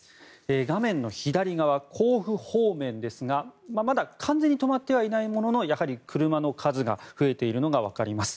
画面の左側、甲府方面ですがまだ完全に止まってはいないもののやはり車の数が増えているのがわかります。